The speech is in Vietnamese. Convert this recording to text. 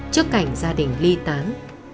trước cảnh gia đình ly tán